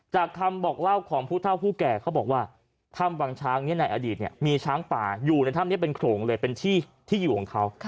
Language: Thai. คำบอกเล่าของผู้เท่าผู้แก่เขาบอกว่าถ้ำวังช้างในอดีตมีช้างป่าอยู่ในถ้ำนี้เป็นโขลงเลยเป็นที่ที่อยู่ของเขา